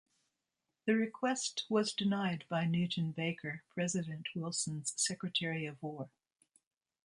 The request was denied by Newton Baker, President Wilson's Secretary of War.